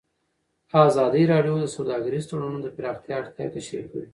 ازادي راډیو د سوداګریز تړونونه د پراختیا اړتیاوې تشریح کړي.